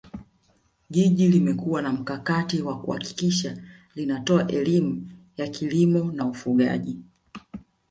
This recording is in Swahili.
Jiji limekuwa na mkakati wa kuhakikisha linatoa elimu ya kilimo na ufugaji